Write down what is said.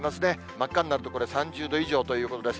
真っ赤になると、これ３０度以上ということです。